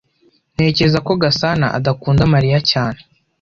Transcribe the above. Ntekereza ko Gasana adakunda Mariya cyane.